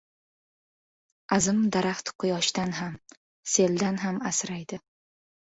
• Azim daraxt quyoshdan ham, seldan ham asraydi.